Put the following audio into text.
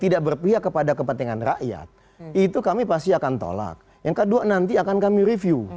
tidak berpihak kepada kepentingan rakyat itu kami pasti akan tolak yang kedua nanti akan kami review